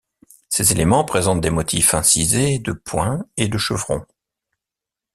Ces éléments présentent des motifs incisés de points et de chevrons.